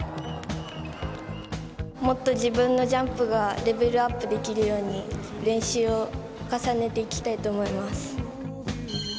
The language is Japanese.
もっと自分のジャンプがレベルアップできるように練習を重ねていきたいと思います。